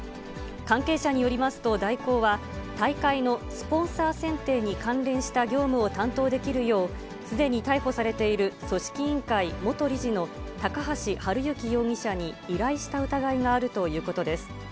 関係者によりますと、大広は大会のスポンサー選定に関連した業務を担当できるよう、すでに逮捕されている組織委員会元理事の高橋治之容疑者に依頼した疑いがあるということです。